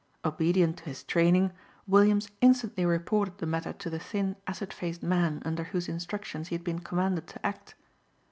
Obedient to his training, Williams instantly reported the matter to the thin, acid faced man under whose instructions he had been commanded to act.